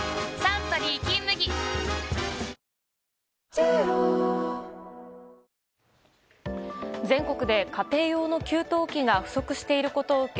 ＪＴ全国で家庭用の給湯器が不足していることを受け